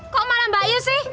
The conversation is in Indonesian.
kok malah mbak ayu sih